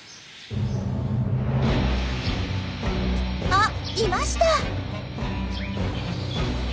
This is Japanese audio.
あいました！